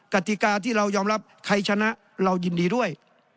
กติกาที่เรายอมรับใครชนะเรายินดีด้วย